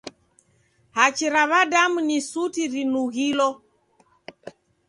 Hachi ra w'adamu ni suti rinughilo.